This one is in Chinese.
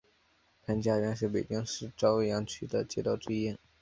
潘家园是北京市朝阳区的街道之一。